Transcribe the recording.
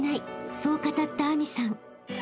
［そう語った明未さん］